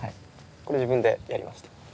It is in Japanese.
これ自分でやりました。